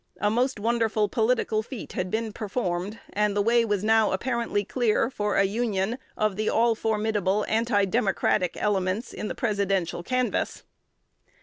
A most wonderful political feat had been performed, and the way was now apparently clear for a union of the all formidable anti Democratic elements in the Presidential canvass.